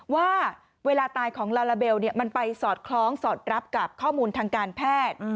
ว่าเวลาตายของลาลาเบลมันไปสอดคล้องสอดรับกับข้อมูลทางการแพทย์